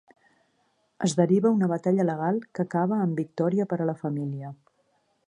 Es deriva una batalla legal que acaba amb victòria per a la família.